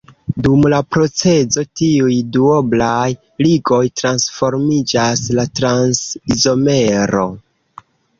Dum la procezo tiuj duoblaj ligoj transformiĝas la trans-izomero.